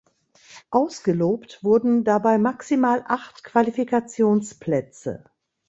Ausgelobt wurden dabei maximal acht Qualifikationsplätze.